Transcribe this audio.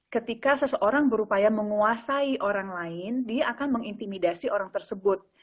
ketika seseorang berupaya menguasai orang lain dia akan mengintimidasi orang tersebut